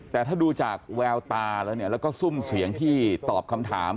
แต่ถ้าดูจากแววตาแล้วเนี่ยแล้วก็ซุ่มเสียงที่ตอบคำถาม